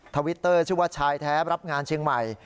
ทวิตเตอร์ชื่อว่าชายแท้รับงานเชียงใหม่